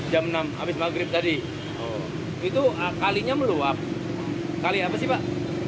jam enam habis maghrib tadi itu kalinya meluap kali apa sih pak